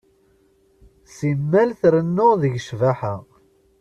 Simmal trennu deg ccbaḥa.